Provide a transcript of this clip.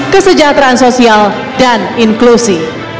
kesejahteraan sosial dan inklusi